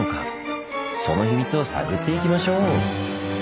その秘密を探っていきましょう！